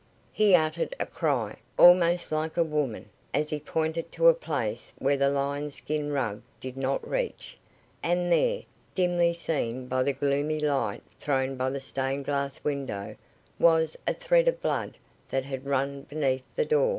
He uttered a cry, almost like a woman, as he pointed to a place where the lion skin rug did not reach, and there, dimly seen by the gloomy light thrown by the stained glass window, was a little thread of blood that had run beneath the door.